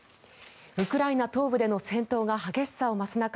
ウクライナ東部での戦闘が激しさを増す中